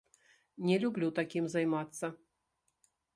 Не люблю такім займацца.